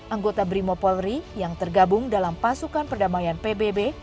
anggota brimopolri yang tergabung dalam pasukan perdamaian pbb